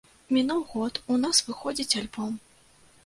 Мінуў год, у нас выходзіць альбом.